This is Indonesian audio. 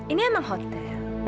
ini emang hotel